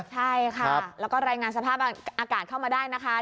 ใช่ค่ะแล้วก็รายงานสภาพอากาศเข้ามาได้นะคะ